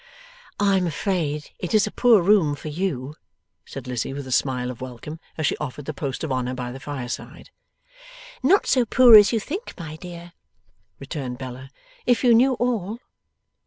'I am afraid it is a poor room for you,' said Lizzie, with a smile of welcome, as she offered the post of honour by the fireside. 'Not so poor as you think, my dear,' returned Bella, 'if you knew all.